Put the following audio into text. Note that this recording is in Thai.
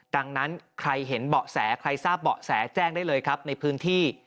ดังนั้นใครเห็นเบาะแสใครทราบเบาะแสแจ้งได้เลยครับในพื้นที่